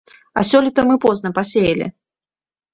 А сёлета мы позна пасеялі.